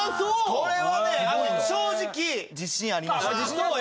これはね正直自信ありました。